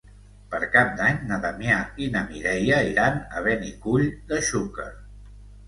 Per Cap d'Any na Damià i na Mireia iran a Benicull de Xúquer.